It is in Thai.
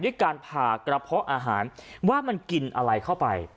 ด้วยการผ่ากระเพาะอาหารว่ามันกินอะไรเข้าไป